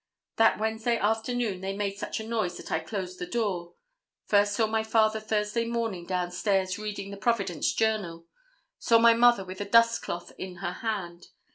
That Wednesday afternoon they made such a noise that I closed the door. First saw my father Thursday morning down stairs reading the Providence Journal. Saw my mother with a dust cloth in her hand.